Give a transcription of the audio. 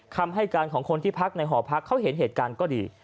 คำให้การของคนที่พักในหอพักเขาเห็นเหตุการณ์ก็ดี